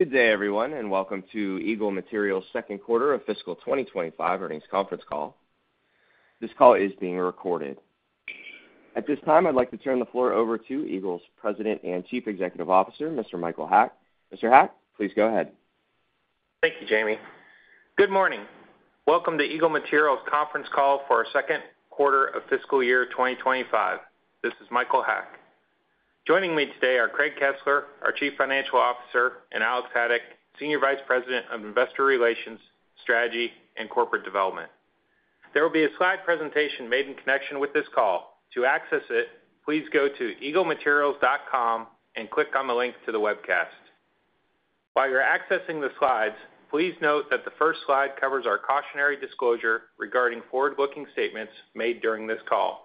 Good day, everyone, and welcome to Eagle Materials' Second Quarter of Fiscal 2025 earnings conference call. This call is being recorded. At this time, I'd like to turn the floor over to Eagle's President and Chief Executive Officer, Mr. Michael Haack. Mr. Haack, please go ahead. Thank you, Jamie. Good morning. Welcome to Eagle Materials' conference call for our second quarter of fiscal year 2025. This is Michael Haack. Joining me today are Craig Kesler, our Chief Financial Officer, and Alex Haddock, Senior Vice President of Investor Relations, Strategy, and Corporate Development. There will be a slide presentation made in connection with this call. To access it, please go to eaglematerials.com and click on the link to the webcast. While you're accessing the slides, please note that the first slide covers our cautionary disclosure regarding forward-looking statements made during this call.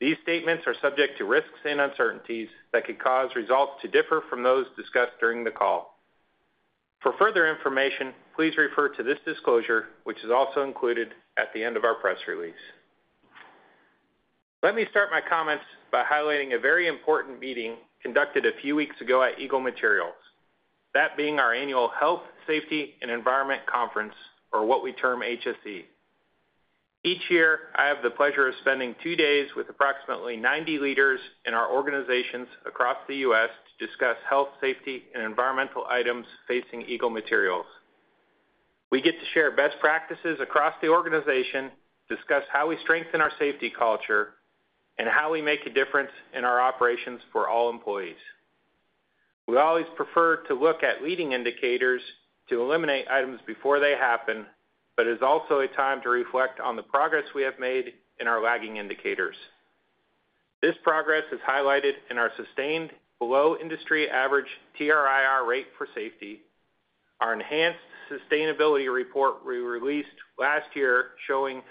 These statements are subject to risks and uncertainties that could cause results to differ from those discussed during the call. For further information, please refer to this disclosure, which is also included at the end of our press release. Let me start my comments by highlighting a very important meeting conducted a few weeks ago at Eagle Materials, that being our annual Health, Safety, and Environment Conference, or what we term HSE. Each year, I have the pleasure of spending two days with approximately 90 leaders in our organizations across the U.S. to discuss health, safety, and environmental items facing Eagle Materials. We get to share best practices across the organization, discuss how we strengthen our safety culture, and how we make a difference in our operations for all employees. We always prefer to look at leading indicators to eliminate items before they happen, but it is also a time to reflect on the progress we have made in our lagging indicators. This progress is highlighted in our sustained below-industry-average TRIR rate for safety, our enhanced sustainability report we released last year showing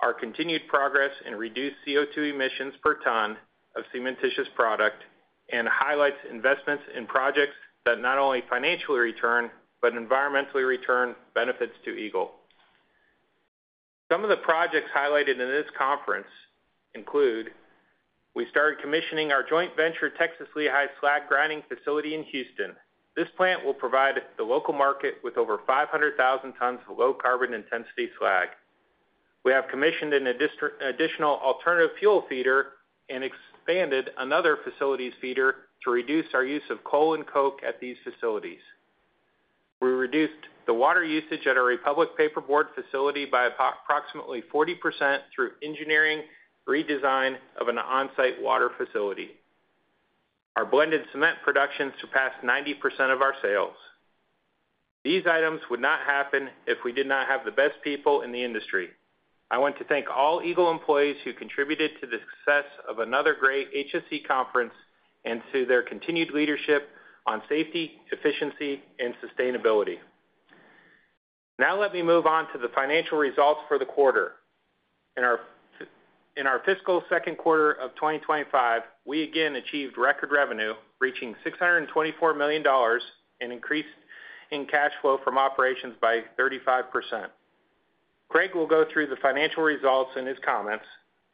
our continued progress in reduced CO2 emissions per ton of cementitious product, and highlights investments in projects that not only financially return but environmentally return benefits to Eagle. Some of the projects highlighted in this conference include, we started commissioning our joint venture Texas Lehigh Slag Grinding Facility in Houston. This plant will provide the local market with over 500,000 tons of low-carbon intensity slag. We have commissioned an additional alternative fuel feeder and expanded another facility's feeder to reduce our use of coal and coke at these facilities. We reduced the water usage at our Republic Paperboard facility by approximately 40% through engineering redesign of an on-site water facility. Our blended cement production surpassed 90% of our sales. These items would not happen if we did not have the best people in the industry. I want to thank all Eagle employees who contributed to the success of another great HSE conference and to their continued leadership on safety, efficiency, and sustainability. Now let me move on to the financial results for the quarter. In our fiscal second quarter of 2025, we again achieved record revenue, reaching $624 million and increased in cash flow from operations by 35%. Craig will go through the financial results in his comments,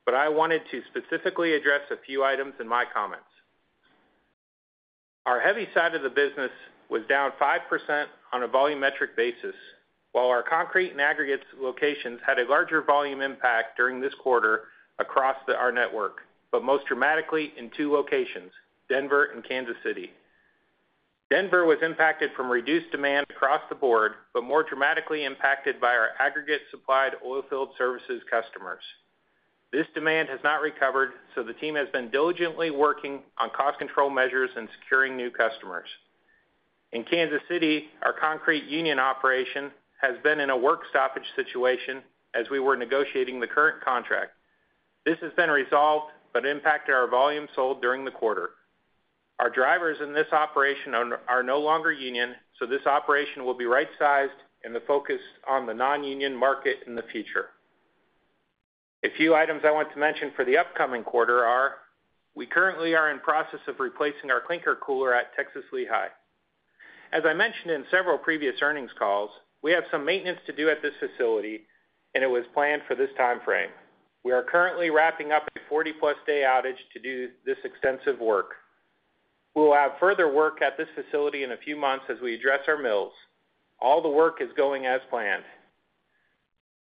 but I wanted to specifically address a few items in my comments. Our heavy side of the business was down 5% on a volumetric basis, while our concrete and aggregates locations had a larger volume impact during this quarter across our network, but most dramatically in two locations, Denver and Kansas City. Denver was impacted from reduced demand across the board, but more dramatically impacted by our aggregates-supplied oilfield services customers. This demand has not recovered, so the team has been diligently working on cost control measures and securing new customers. In Kansas City, our concrete union operation has been in a work stoppage situation as we were negotiating the current contract. This has been resolved but impacted our volume sold during the quarter. Our drivers in this operation are no longer union, so this operation will be right-sized and focused on the non-union market in the future. A few items I want to mention for the upcoming quarter are we currently are in the process of replacing our clinker cooler at Texas Lehigh. As I mentioned in several previous earnings calls, we have some maintenance to do at this facility, and it was planned for this time frame. We are currently wrapping up a 40-plus day outage to do this extensive work. We will have further work at this facility in a few months as we address our mills. All the work is going as planned.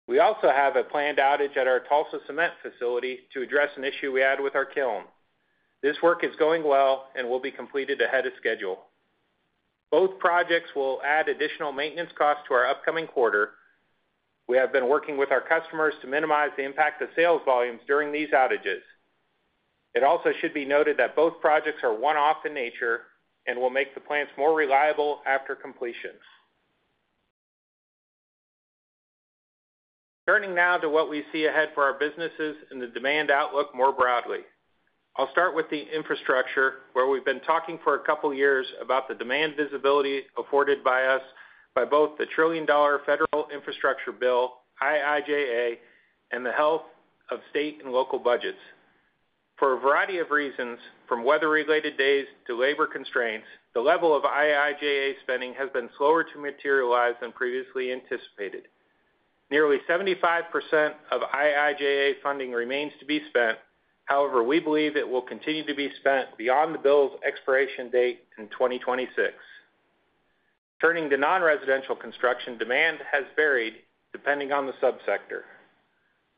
We also have a planned outage at our Tulsa cement facility to address an issue we had with our kiln. This work is going well and will be completed ahead of schedule. Both projects will add additional maintenance costs to our upcoming quarter. We have been working with our customers to minimize the impact of sales volumes during these outages. It also should be noted that both projects are one-off in nature and will make the plants more reliable after completion. Turning now to what we see ahead for our businesses and the demand outlook more broadly. I'll start with the infrastructure, where we've been talking for a couple of years about the demand visibility afforded by us by both the trillion-dollar federal infrastructure bill, IIJA, and the health of state and local budgets. For a variety of reasons, from weather-related days to labor constraints, the level of IIJA spending has been slower to materialize than previously anticipated. Nearly 75% of IIJA funding remains to be spent. However, we believe it will continue to be spent beyond the bill's expiration date in 2026. Turning to non-residential construction, demand has varied depending on the subsector.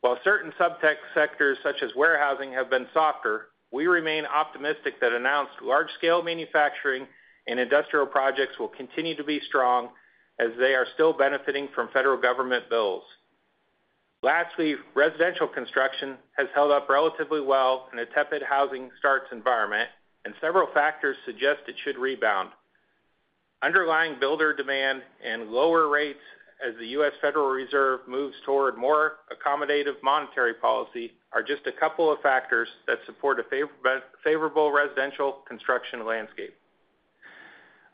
While certain subsectors such as warehousing have been softer, we remain optimistic that announced large-scale manufacturing and industrial projects will continue to be strong as they are still benefiting from federal government bills. Lastly, residential construction has held up relatively well in a tepid housing starts environment, and several factors suggest it should rebound. Underlying builder demand and lower rates as the U.S. Federal Reserve moves toward more accommodative monetary policy are just a couple of factors that support a favorable residential construction landscape.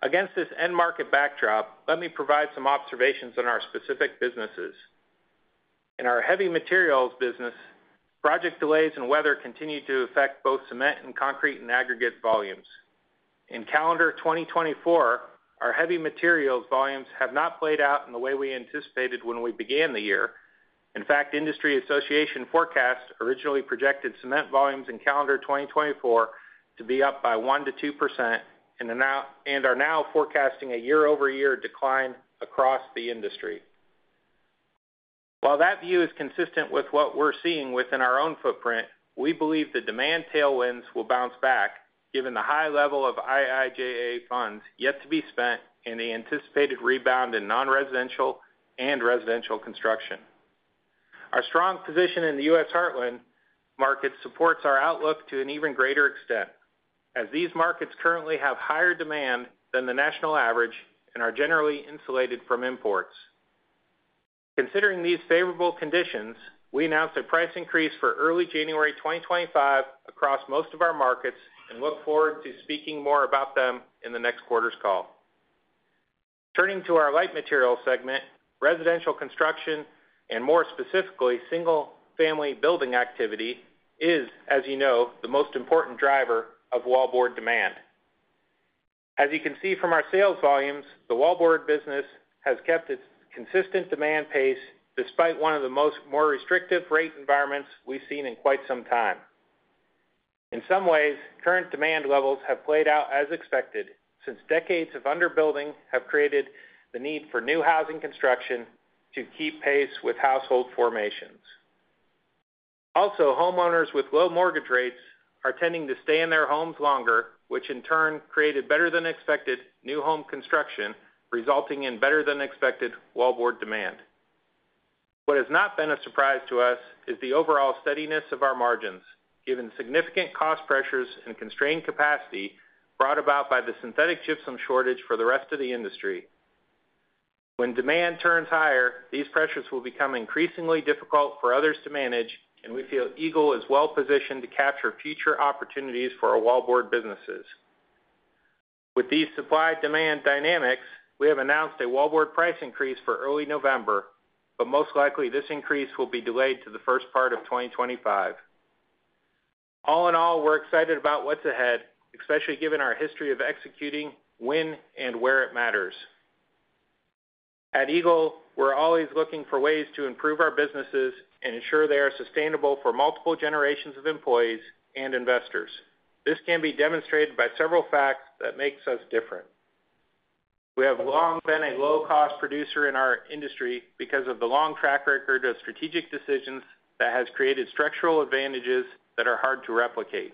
Against this end market backdrop, let me provide some observations on our specific businesses. In our heavy materials business, project delays and weather continue to affect both cement and concrete and aggregate volumes. In calendar 2024, our heavy materials volumes have not played out in the way we anticipated when we began the year. In fact, Portland Cement Association forecast originally projected cement volumes in calendar 2024 to be up by 1%-2% and are now forecasting a year-over-year decline across the industry. While that view is consistent with what we're seeing within our own footprint, we believe the demand tailwinds will bounce back given the high level of IIJA funds yet to be spent and the anticipated rebound in non-residential and residential construction. Our strong position in the U.S. Heartland market supports our outlook to an even greater extent, as these markets currently have higher demand than the national average and are generally insulated from imports. Considering these favorable conditions, we announced a price increase for early January 2025 across most of our markets and look forward to speaking more about them in the next quarter's call. Turning to our light materials segment, residential construction, and more specifically single-family building activity is, as you know, the most important driver of wallboard demand. As you can see from our sales volumes, the wallboard business has kept its consistent demand pace despite one of the most restrictive rate environments we've seen in quite some time. In some ways, current demand levels have played out as expected since decades of underbuilding have created the need for new housing construction to keep pace with household formations. Also, homeowners with low mortgage rates are tending to stay in their homes longer, which in turn created better-than-expected new home construction, resulting in better-than-expected wallboard demand. What has not been a surprise to us is the overall steadiness of our margins, given significant cost pressures and constrained capacity brought about by the synthetic gypsum shortage for the rest of the industry. When demand turns higher, these pressures will become increasingly difficult for others to manage, and we feel Eagle is well-positioned to capture future opportunities for our wallboard businesses. With these supply-demand dynamics, we have announced a wallboard price increase for early November, but most likely this increase will be delayed to the first part of 2025. All in all, we're excited about what's ahead, especially given our history of executing when and where it matters. At Eagle, we're always looking for ways to improve our businesses and ensure they are sustainable for multiple generations of employees and investors. This can be demonstrated by several facts that make us different. We have long been a low-cost producer in our industry because of the long track record of strategic decisions that has created structural advantages that are hard to replicate.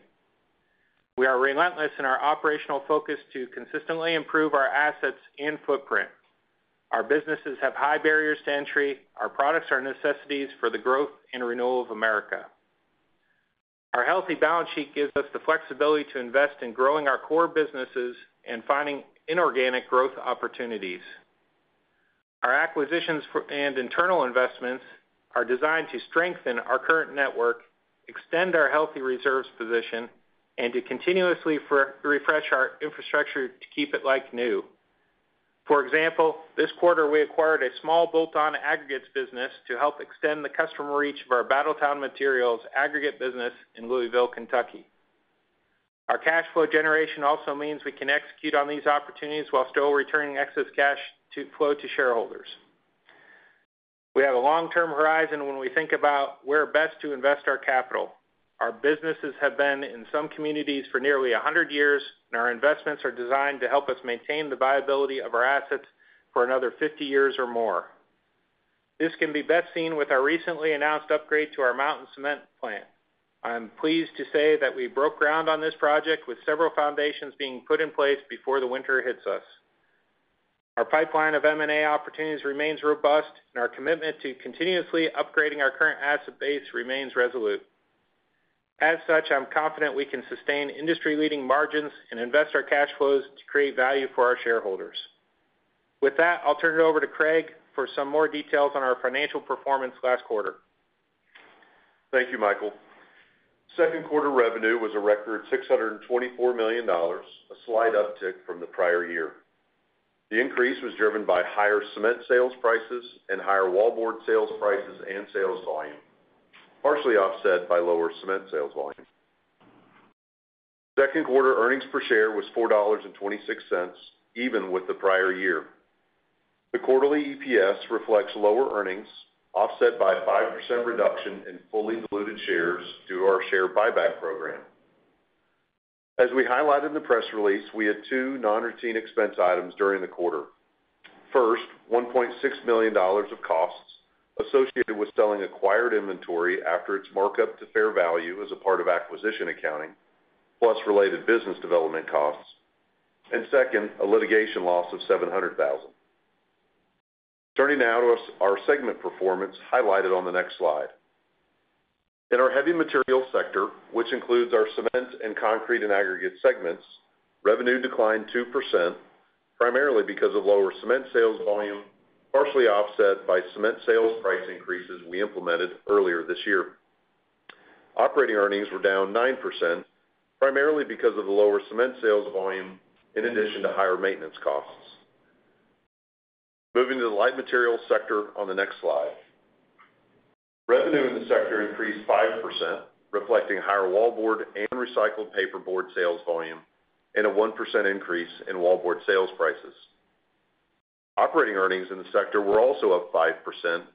We are relentless in our operational focus to consistently improve our assets and footprint. Our businesses have high barriers to entry. Our products are necessities for the growth and renewal of America. Our healthy balance sheet gives us the flexibility to invest in growing our core businesses and finding inorganic growth opportunities. Our acquisitions and internal investments are designed to strengthen our current network, extend our healthy reserves position, and to continuously refresh our infrastructure to keep it like new. For example, this quarter, we acquired a small bolt-on aggregates business to help extend the customer reach of our Battletown Materials aggregate business in Louisville, Kentucky. Our cash flow generation also means we can execute on these opportunities while still returning excess cash flow to shareholders. We have a long-term horizon when we think about where best to invest our capital. Our businesses have been in some communities for nearly 100 years, and our investments are designed to help us maintain the viability of our assets for another 50 years or more. This can be best seen with our recently announced upgrade to our Mountain Cement plant. I'm pleased to say that we broke ground on this project with several foundations being put in place before the winter hits us. Our pipeline of M&A opportunities remains robust, and our commitment to continuously upgrading our current asset base remains resolute. As such, I'm confident we can sustain industry-leading margins and invest our cash flows to create value for our shareholders. With that, I'll turn it over to Craig for some more details on our financial performance last quarter. Thank you, Michael. Second quarter revenue was a record $624 million, a slight uptick from the prior year. The increase was driven by higher cement sales prices and higher wallboard sales prices and sales volume, partially offset by lower cement sales volume. Second quarter earnings per share was $4.26, even with the prior year. The quarterly EPS reflects lower earnings, offset by a 5% reduction in fully diluted shares due to our share buyback program. As we highlighted in the press release, we had two non-routine expense items during the quarter. First, $1.6 million of costs associated with selling acquired inventory after its markup to fair value as a part of acquisition accounting, plus related business development costs. And second, a litigation loss of $700,000. Turning now to our segment performance highlighted on the next slide. In our heavy materials sector, which includes our cement and concrete and aggregate segments, revenue declined 2%, primarily because of lower cement sales volume, partially offset by cement sales price increases we implemented earlier this year. Operating earnings were down 9%, primarily because of the lower cement sales volume in addition to higher maintenance costs. Moving to the light materials sector on the next slide. Revenue in the sector increased 5%, reflecting higher wallboard and recycled paperboard sales volume and a 1% increase in wallboard sales prices. Operating earnings in the sector were also up 5%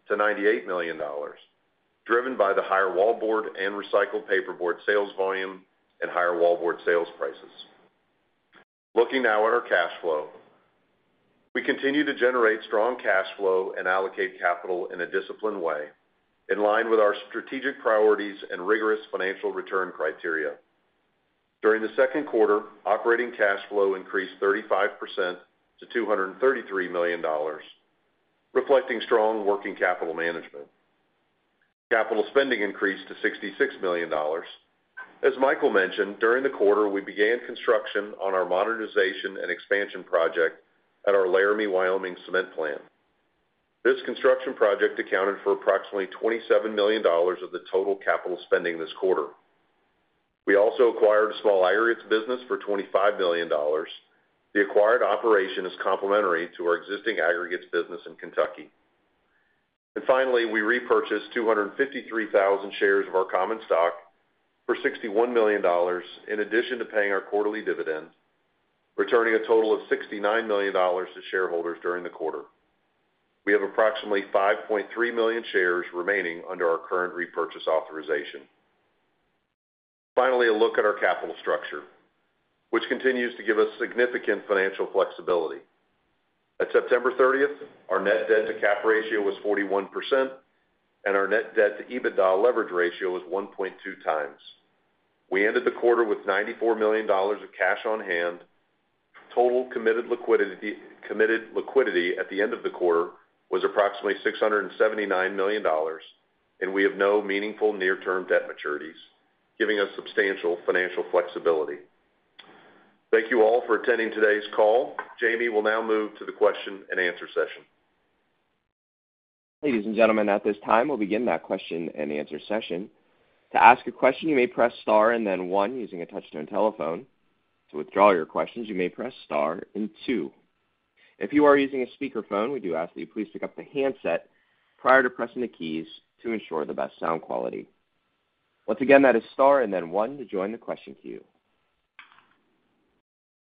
to $98 million, driven by the higher wallboard and recycled paperboard sales volume and higher wallboard sales prices. Looking now at our cash flow, we continue to generate strong cash flow and allocate capital in a disciplined way, in line with our strategic priorities and rigorous financial return criteria. During the second quarter, operating cash flow increased 35% to $233 million, reflecting strong working capital management. Capital spending increased to $66 million. As Michael mentioned, during the quarter, we began construction on our modernization and expansion project at our Laramie, Wyoming cement plant. This construction project accounted for approximately $27 million of the total capital spending this quarter. We also acquired a small aggregates business for $25 million. The acquired operation is complementary to our existing aggregates business in Kentucky, and finally, we repurchased 253,000 shares of our common stock for $61 million, in addition to paying our quarterly dividend, returning a total of $69 million to shareholders during the quarter. We have approximately 5.3 million shares remaining under our current repurchase authorization. Finally, a look at our capital structure, which continues to give us significant financial flexibility. At September 30th, our net debt-to-cap ratio was 41%, and our net debt-to-EBITDA leverage ratio was 1.2 times. We ended the quarter with $94 million of cash on hand. Total committed liquidity at the end of the quarter was approximately $679 million, and we have no meaningful near-term debt maturities, giving us substantial financial flexibility. Thank you all for attending today's call. Jamie will now move to the question and answer session. Ladies and gentlemen, at this time, we'll begin that question and answer session. To ask a question, you may press star and then one using a touch-tone telephone. To withdraw your questions, you may press star and two. If you are using a speakerphone, we do ask that you please pick up the handset prior to pressing the keys to ensure the best sound quality. Once again, that is star and then one to join the question queue.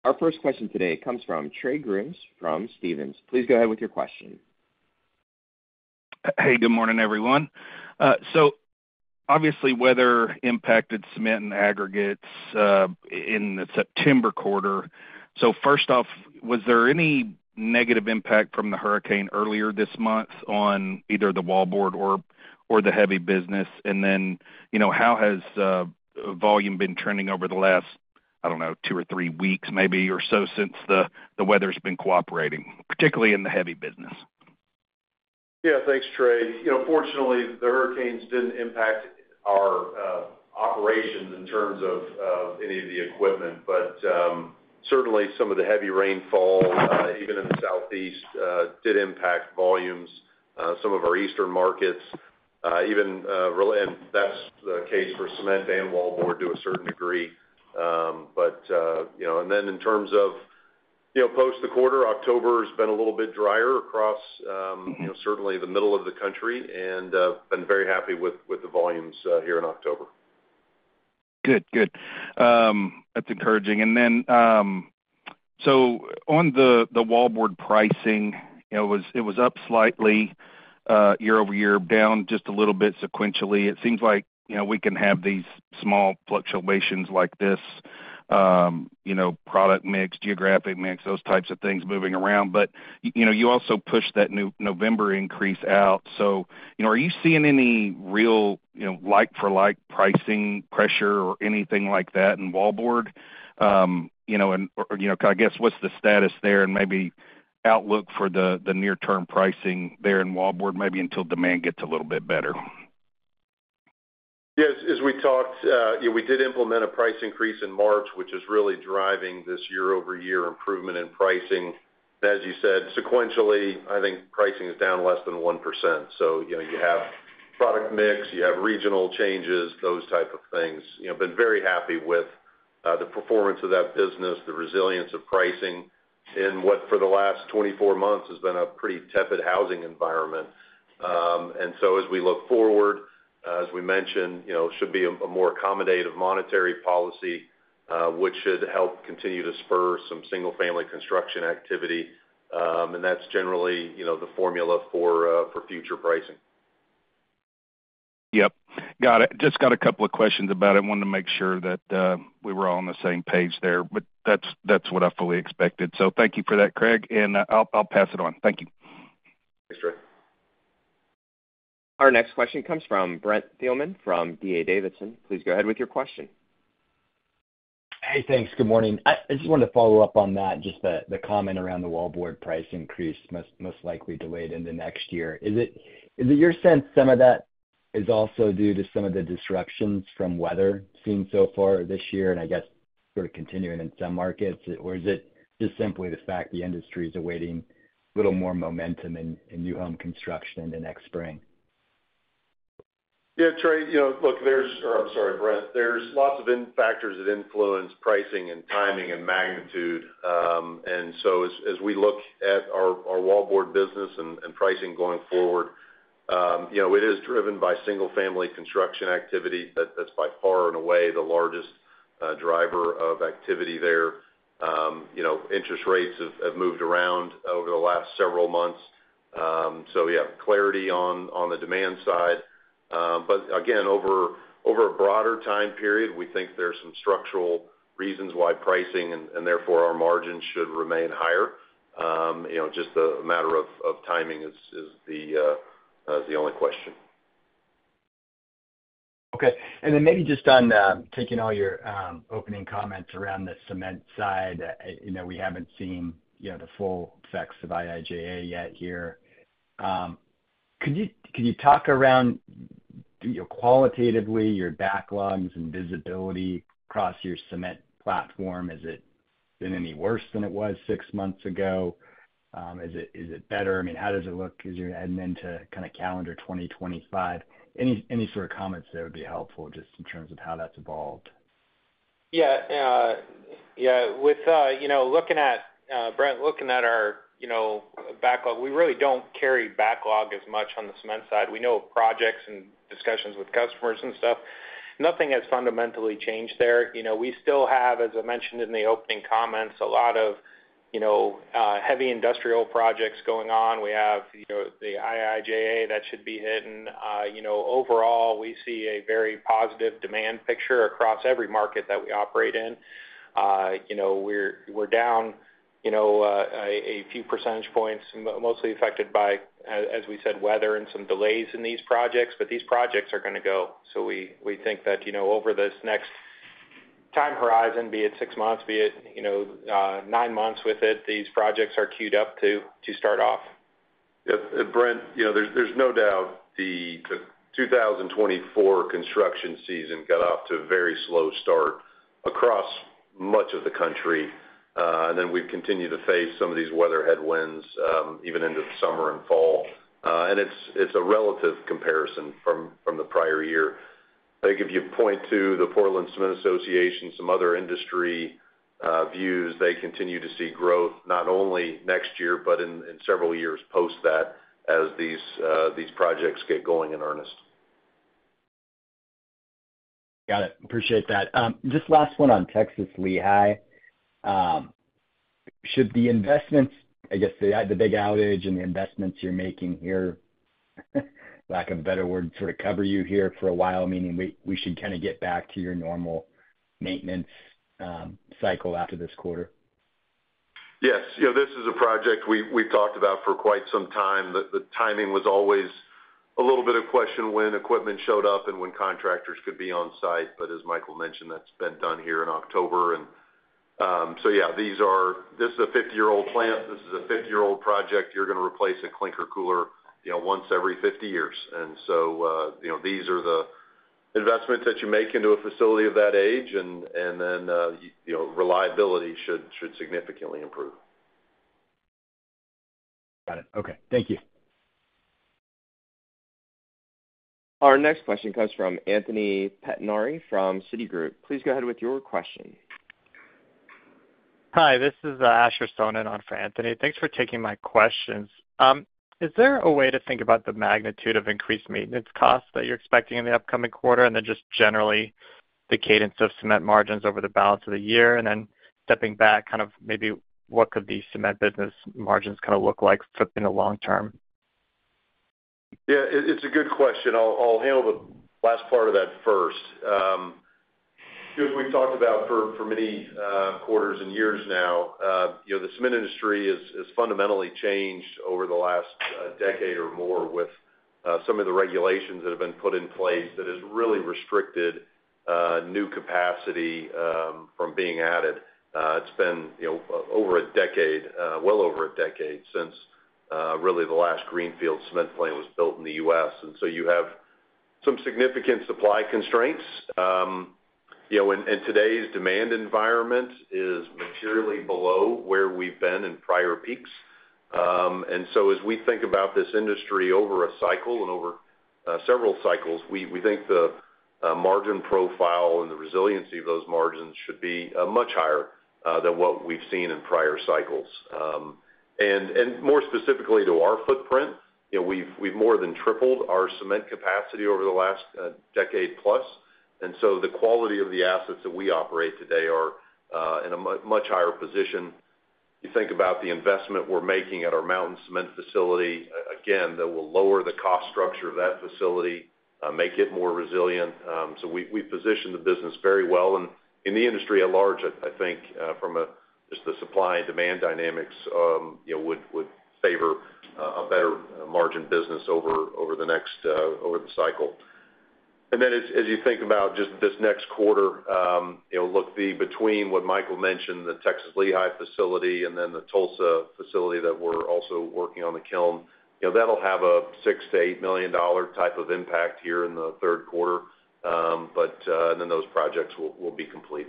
Our first question today comes from Trey Grooms from Stephens. Please go ahead with your question. Hey, good morning, everyone. So obviously, weather impacted cement and aggregates in the September quarter. So first off, was there any negative impact from the hurricane earlier this month on either the wallboard or the heavy business? And then how has volume been trending over the last, I don't know, two or three weeks, maybe, or so since the weather's been cooperating, particularly in the heavy business? Yeah, thanks, Trey. Fortunately, the hurricanes didn't impact our operations in terms of any of the equipment, but certainly some of the heavy rainfall, even in the southeast, did impact volumes, some of our eastern markets. And that's the case for cement and wallboard to a certain degree. But then, in terms of post the quarter, October has been a little bit drier across certainly the middle of the country, and I've been very happy with the volumes here in October. Good, good. That's encouraging. And then, so on the wallboard pricing, it was up slightly year over year, down just a little bit sequentially. It seems like we can have these small fluctuations like this, product mix, geographic mix, those types of things moving around. But you also pushed that November increase out. So, are you seeing any real like-for-like pricing pressure or anything like that in wallboard? Or, I guess, what's the status there and maybe outlook for the near-term pricing there in wallboard, maybe until demand gets a little bit better? Yes. As we talked, we did implement a price increase in March, which is really driving this year-over-year improvement in pricing. As you said, sequentially, I think pricing is down less than 1%. So you have product mix, you have regional changes, those types of things. Been very happy with the performance of that business, the resilience of pricing, and what for the last 24 months has been a pretty tepid housing environment. And so as we look forward, as we mentioned, should be a more accommodative monetary policy, which should help continue to spur some single-family construction activity. And that's generally the formula for future pricing. Yep. Got it. Just got a couple of questions about it. Wanted to make sure that we were all on the same page there, but that's what I fully expected. So thank you for that, Craig, and I'll pass it on. Thank you. Thanks, Trey. Our next question comes from Brent Thielman from DA Davidson. Please go ahead with your question. Hey, thanks. Good morning. I just wanted to follow up on that, just the comment around the wallboard price increase most likely delayed into next year. Is it your sense some of that is also due to some of the disruptions from weather seen so far this year and I guess sort of continuing in some markets, or is it just simply the fact the industry is awaiting a little more momentum in new home construction the next spring? Yeah, Trey, look, there's, or I'm sorry, Brent, there's lots of factors that influence pricing and timing and magnitude. And so as we look at our wallboard business and pricing going forward, it is driven by single-family construction activity. That's by far and away the largest driver of activity there. Interest rates have moved around over the last several months. So yeah, clarity on the demand side. But again, over a broader time period, we think there's some structural reasons why pricing and therefore our margins should remain higher. Just a matter of timing is the only question. Okay. And then maybe just on taking all your opening comments around the cement side, we haven't seen the full effects of IIJA yet here. Could you talk around qualitatively your backlogs and visibility across your cement platform? Is it any worse than it was six months ago? Is it better? I mean, how does it look as you're heading into kind of calendar 2025? Any sort of comments that would be helpful just in terms of how that's evolved? Yeah. Yeah. Looking at our backlog, Brent, we really don't carry backlog as much on the cement side. We know of projects and discussions with customers and stuff. Nothing has fundamentally changed there. We still have, as I mentioned in the opening comments, a lot of heavy industrial projects going on. We have the IIJA that should be hitting. Overall, we see a very positive demand picture across every market that we operate in. We're down a few percentage points, mostly affected by, as we said, weather and some delays in these projects, but these projects are going to go. So we think that over this next time horizon, be it six months, be it nine months with it, these projects are queued up to start off. Yeah, and Brent, there's no doubt the 2024 construction season got off to a very slow start across much of the country, and then we've continued to face some of these weather headwinds even into the summer and fall, and it's a relative comparison from the prior year. I think if you point to the Portland Cement Association, some other industry views, they continue to see growth not only next year but in several years post that as these projects get going in earnest. Got it. Appreciate that. Just last one on Texas Lehigh. Should the investments, I guess the big outage and the investments you're making here, lack of a better word, sort of cover you here for a while, meaning we should kind of get back to your normal maintenance cycle after this quarter? Yes. This is a project we've talked about for quite some time. The timing was always a little bit of question when equipment showed up and when contractors could be on site, but as Michael mentioned, that's been done here in October, and so yeah, this is a 50-year-old plant. This is a 50-year-old project. You're going to replace a clinker cooler once every 50 years. And so these are the investments that you make into a facility of that age, and then reliability should significantly improve. Got it. Okay. Thank you. Our next question comes from Anthony Pettinari from Citigroup. Please go ahead with your question. Hi. This is Asher Sohnen on for Anthony. Thanks for taking my questions. Is there a way to think about the magnitude of increased maintenance costs that you're expecting in the upcoming quarter and then just generally the cadence of cement margins over the balance of the year? And then stepping back, kind of maybe what could these cement business margins kind of look like in the long term? Yeah. It's a good question. I'll handle the last part of that first. We've talked about for many quarters and years now, the cement industry has fundamentally changed over the last decade or more with some of the regulations that have been put in place that have really restricted new capacity from being added. It's been over a decade, well over a decade since really the last greenfield cement plant was built in the U.S. And so you have some significant supply constraints. Today's demand environment is materially below where we've been in prior peaks. As we think about this industry over a cycle and over several cycles, we think the margin profile and the resiliency of those margins should be much higher than what we've seen in prior cycles. More specifically to our footprint, we've more than tripled our cement capacity over the last decade plus. And so the quality of the assets that we operate today are in a much higher position. You think about the investment we're making at our Mountain Cement facility. Again, that will lower the cost structure of that facility, make it more resilient. So we position the business very well. And in the industry at large, I think from just the supply and demand dynamics would favor a better margin business over the next cycle. And then as you think about just this next quarter, look, between what Michael mentioned, the Texas Lehigh facility and then the Tulsa facility that we're also working on the kiln, that'll have a $6 million-$8 million type of impact here in the third quarter. But then those projects will be complete.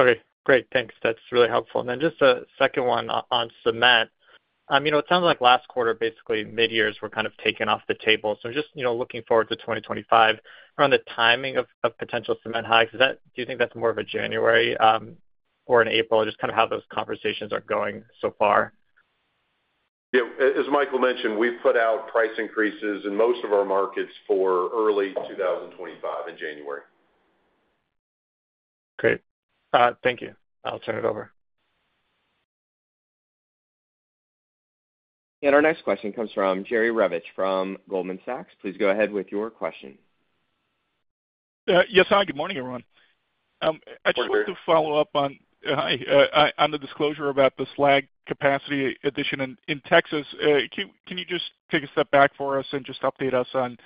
Okay. Great. Thanks. That's really helpful. And then just a second one on cement. It sounds like last quarter, basically mid-years, were kind of taken off the table. So just looking forward to 2025, around the timing of potential cement hikes, do you think that's more of a January or an April, just kind of how those conversations are going so far? Yeah. As Michael mentioned, we've put out price increases in most of our markets for early 2025 in January. Great. Thank you. I'll turn it over, And our next question comes from Jerry Revich from Goldman Sachs. Please go ahead with your question. Yes. Hi. Good morning, everyone. I just wanted to follow up on the disclosure about the slag capacity addition in Texas. Can you just take a step back for us and just update us on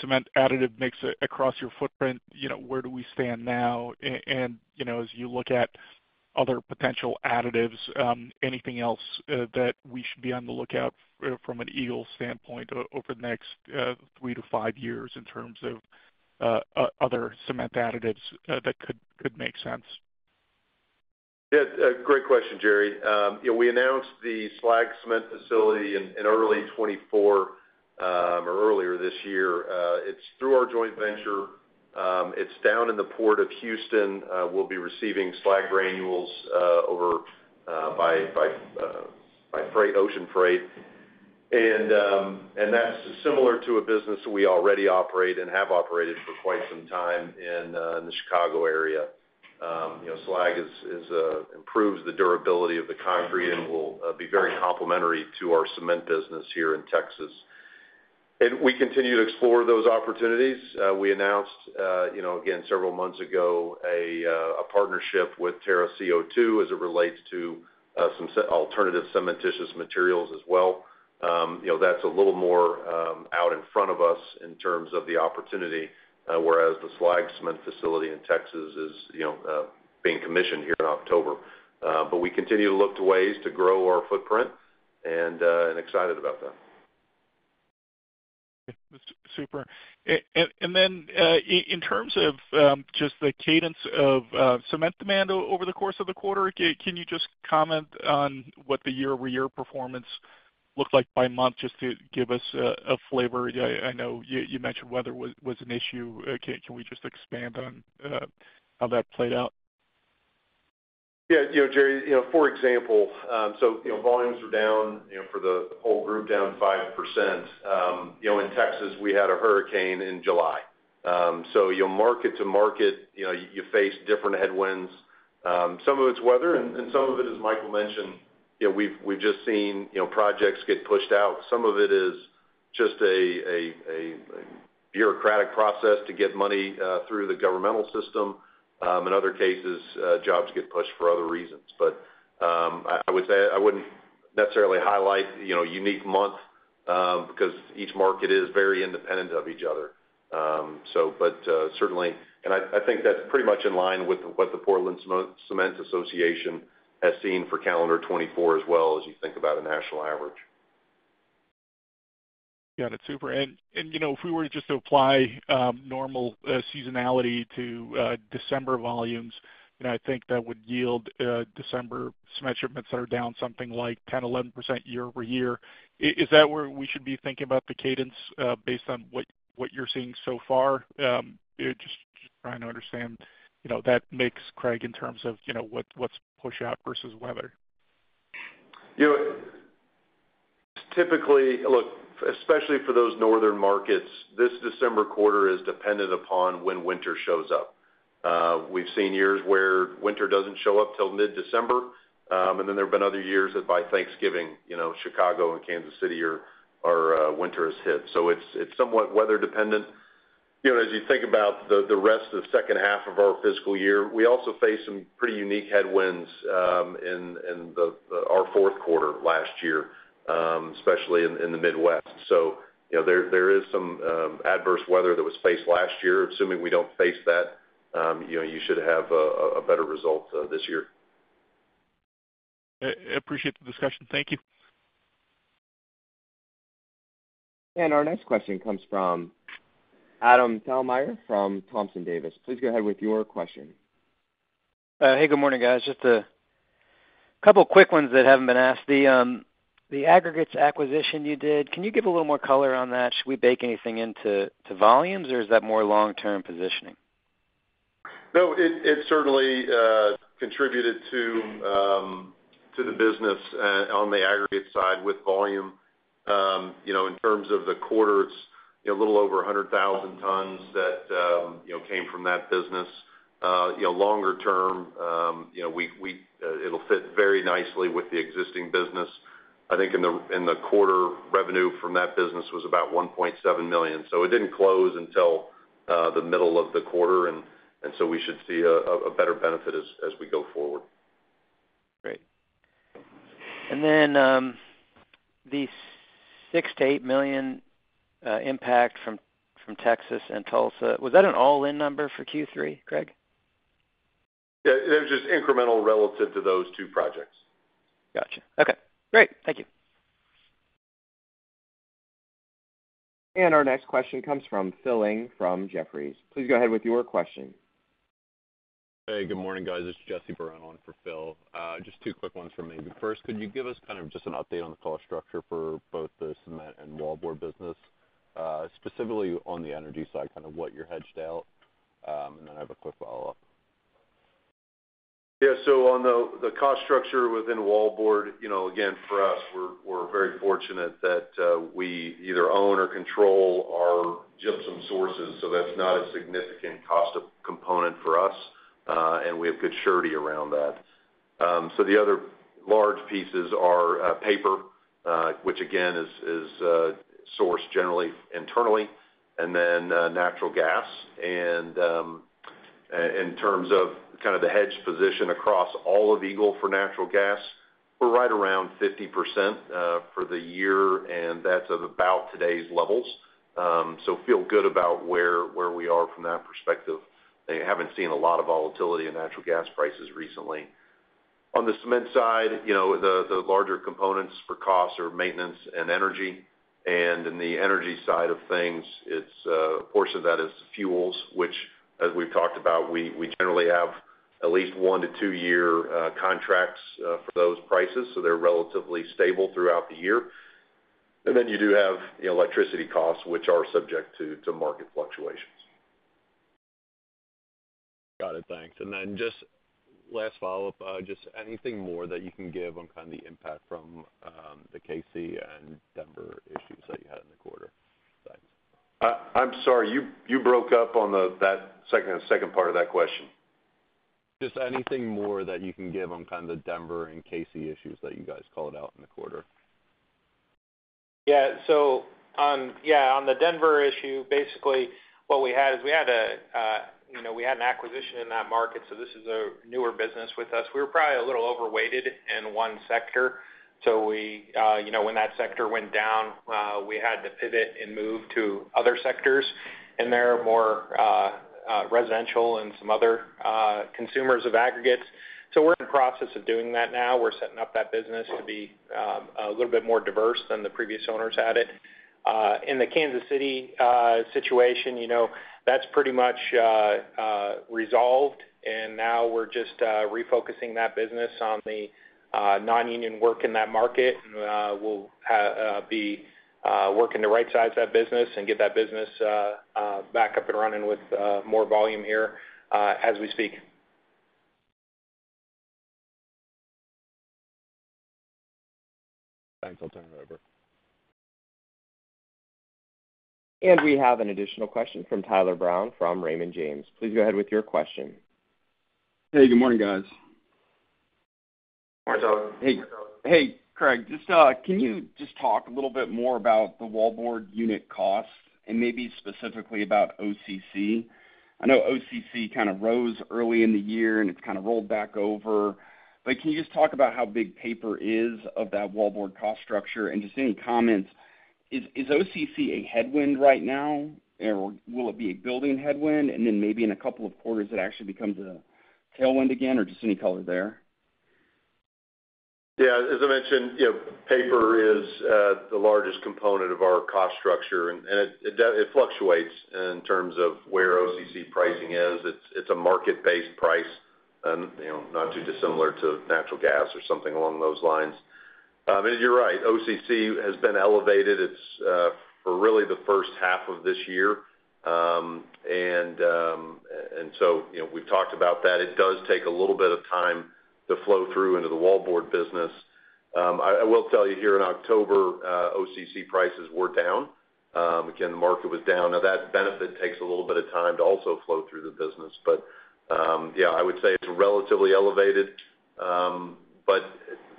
cement additive mix across your footprint? Where do we stand now? As you look at other potential additives, anything else that we should be on the lookout from an Eagle standpoint over the next three to five years in terms of other cement additives that could make sense? Yeah. Great question, Jerry. We announced the slag cement facility in early 2024 or earlier this year. It's through our joint venture. It's down in the port of Houston. We'll be receiving slag granules by ocean freight. And that's similar to a business we already operate and have operated for quite some time in the Chicago area. Slag improves the durability of the concrete and will be very complementary to our cement business here in Texas. And we continue to explore those opportunities. We announced, again, several months ago, a partnership with Terra CO2 as it relates to some alternative cementitious materials as well. That's a little more out in front of us in terms of the opportunity, whereas the slag cement facility in Texas is being commissioned here in October, but we continue to look to ways to grow our footprint and excited about that. Super, and then in terms of just the cadence of cement demand over the course of the quarter, can you just comment on what the year-over-year performance looked like by month just to give us a flavor? I know you mentioned weather was an issue. Can we just expand on how that played out? Yeah. Jerry, for example, so volumes were down for the whole group down 5%. In Texas, we had a hurricane in July. So market to market, you face different headwinds. Some of it's weather, and some of it, as Michael mentioned, we've just seen projects get pushed out. Some of it is just a bureaucratic process to get money through the governmental system. In other cases, jobs get pushed for other reasons. But I would say I wouldn't necessarily highlight unique month because each market is very independent of each other. But certainly, and I think that's pretty much in line with what the Portland Cement Association has seen for calendar 2024 as well as you think about a national average. Got it. Super. And if we were just to apply normal seasonality to December volumes, I think that would yield December cement shipments that are down something like 10%-11% year over year. Is that where we should be thinking about the cadence based on what you're seeing so far? Just trying to understand that mix, Craig, in terms of what's pushed out versus weather. Typically, look, especially for those northern markets, this December quarter is dependent upon when winter shows up. We've seen years where winter doesn't show up till mid-December, and then there have been other years that by Thanksgiving, Chicago and Kansas City, our winter is hit, so it's somewhat weather-dependent. As you think about the rest of the second half of our fiscal year, we also face some pretty unique headwinds in our fourth quarter last year, especially in the Midwest, so there is some adverse weather that was faced last year. Assuming we don't face that, you should have a better result this year. I appreciate the discussion. Thank you, And our next question comes from Adam Thalhimer from Thompson Davis. Please go ahead with your question. Hey. Good morning, guys. Just a couple of quick ones that haven't been asked. The aggregates acquisition you did, can you give a little more color on that? Should we bake anything into volumes, or is that more long-term positioning? No. It certainly contributed to the business on the aggregate side with volume. In terms of the quarters, a little over 100,000 tons that came from that business. Longer term, it'll fit very nicely with the existing business. I think in the quarter, revenue from that business was about $1.7 million. So it didn't close until the middle of the quarter. And so we should see a better benefit as we go forward. Great. And then the $6 million-$8 million impact from Texas and Tulsa, was that an all-in number for Q3, Craig? Yeah. It was just incremental relative to those two projects. Gotcha. Okay. Great. Thank you. And our next question comes from Philip Ng from Jefferies. Please go ahead with your question. Hey. Good morning, guys. It's Jesse Baron on for Phil. Just two quick ones from me. First, could you give us kind of just an update on the cost structure for both the cement and wallboard business, specifically on the energy side, kind of what you're hedged out? And then I have a quick follow-up. Yeah. So on the cost structure within wallboard, again, for us, we're very fortunate that we either own or control our gypsum sources. So that's not a significant cost component for us. And we have good surety around that. So the other large pieces are paper, which again is sourced generally internally, and then natural gas. And in terms of kind of the hedge position across all of Eagle for natural gas, we're right around 50% for the year, and that's about today's levels. So feel good about where we are from that perspective. I haven't seen a lot of volatility in natural gas prices recently. On the cement side, the larger components for costs are maintenance and energy. And in the energy side of things, a portion of that is fuels, which, as we've talked about, we generally have at least one- to two-year contracts for those prices. So they're relatively stable throughout the year. And then you do have electricity costs, which are subject to market fluctuations. Got it. Thanks. And then just last follow-up, just anything more that you can give on kind of the impact from the KC and Denver issues that you had in the quarter? I'm sorry. You broke up on that second part of that question. Just anything more that you can give on kind of the Denver and KC issues that you guys called out in the quarter? Yeah. So yeah, on the Denver issue, basically, what we had is we had an acquisition in that market. So this is a newer business with us. We were probably a little overweighted in one sector. So when that sector went down, we had to pivot and move to other sectors. And they're more residential and some other consumers of aggregates. So we're in the process of doing that now. We're setting up that business to be a little bit more diverse than the previous owners had it. In the Kansas City situation, that's pretty much resolved. And now we're just refocusing that business on the non-union work in that market. And we'll be working to right-size that business and get that business back up and running with more volume here as we speak. Thanks. I'll turn it over. And we have an additional question from Tyler Brown from Raymond James. Please go ahead with your question. Hey. Good morning, guys. Hey. Hey, Craig. Just can you just talk a little bit more about the wallboard unit cost and maybe specifically about OCC? I know OCC kind of rose early in the year, and it's kind of rolled back over. But can you just talk about how big paper is of that wallboard cost structure? And just any comments, is OCC a headwind right now, or will it be a building headwind? And then maybe in a couple of quarters, it actually becomes a tailwind again, or just any color there? Yeah. As I mentioned, paper is the largest component of our cost structure. And it fluctuates in terms of where OCC pricing is. It's a market-based price, not too dissimilar to natural gas or something along those lines. And you're right. OCC has been elevated for really the first half of this year. And so we've talked about that. It does take a little bit of time to flow through into the wallboard business. I will tell you here in October, OCC prices were down. Again, the market was down. Now, that benefit takes a little bit of time to also flow through the business. But yeah, I would say it's relatively elevated, but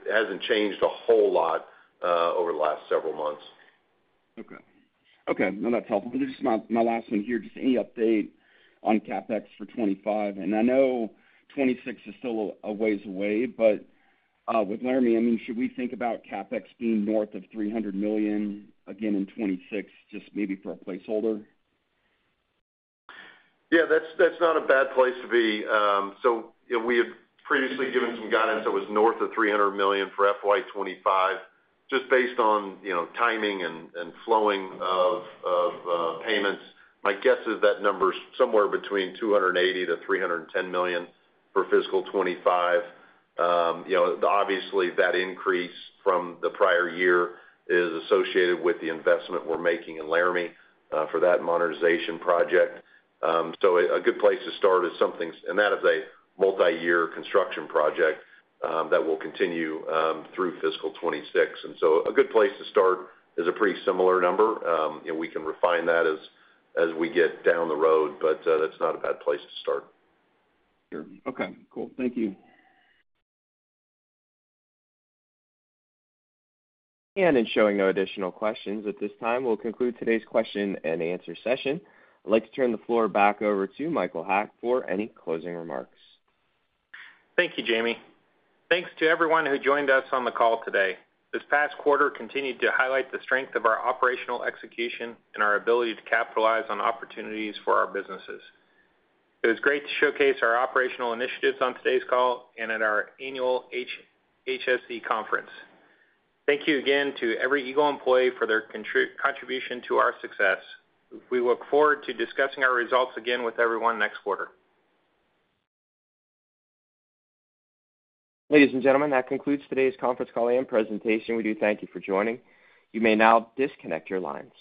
it hasn't changed a whole lot over the last several months. Okay. Okay. No, that's helpful. This is my last one here. Just any update on CapEx for 2025? And I know 2026 is still a ways away, but with Laramie, I mean, should we think about CapEx being north of $300 million again in 2026, just maybe for a placeholder? Yeah. That's not a bad place to be. So we had previously given some guidance that was north of $300 million for FY 2025. Just based on timing and flowing of payments, my guess is that number is somewhere between $280-$310 million for fiscal 2025. Obviously, that increase from the prior year is associated with the investment we're making in Laramie for that modernization project. So a good place to start is something, and that is a multi-year construction project that will continue through fiscal 2026. And so a good place to start is a pretty similar number. We can refine that as we get down the road, but that's not a bad place to start. Sure. Okay. Cool. Thank you. And I'm showing no additional questions at this time, we'll conclude today's question and answer session. I'd like to turn the floor back over to Michael Haack for any closing remarks. Thank you, Jamie. Thanks to everyone who joined us on the call today. This past quarter continued to highlight the strength of our operational execution and our ability to capitalize on opportunities for our businesses. It was great to showcase our operational initiatives on today's call and at our annual HSE conference. Thank you again to every Eagle employee for their contribution to our success. We look forward to discussing our results again with everyone next quarter. Ladies and gentlemen, that concludes today's conference call and presentation. We do thank you for joining. You may now disconnect your lines.